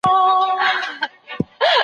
آیا د لیکلو له لاري حافظه ډېره پیاوړې کېږي؟